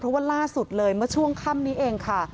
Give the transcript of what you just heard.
เพราะว่าล่าสุดเลยเมื่อช่วงค่ำนี้เองค่ะ